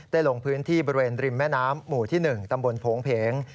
ลงพื้นที่บริเวณริมแม่น้ำหมู่ที่๑ตำบลโผงเพง